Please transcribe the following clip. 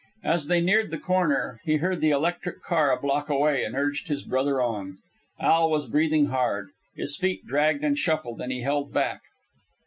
As they neared the corner, he heard the electric car a block away, and urged his brother on. Al was breathing hard. His feet dragged and shuffled, and he held back.